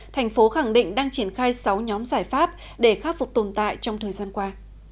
thành phố khẳng định đang triển khai sáu nhóm giải pháp để khắc phục tồn tại trong thời gian qua